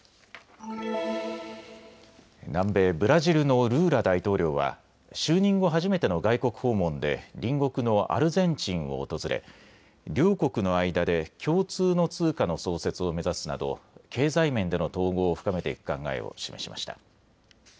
南米ブラジルのルーラ大統領は就任後初めての外国訪問で隣国のアルゼンチンを訪れ両国の間で共通の通貨の創設を目指すなど経済面での統合を深めていく考えを示しました。